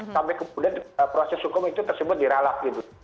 sampai kemudian proses hukum itu tersebut diralak gitu